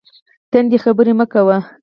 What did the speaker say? تندې خبرې مه کوئ